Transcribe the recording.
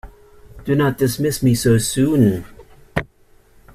Do not dismiss me so soon!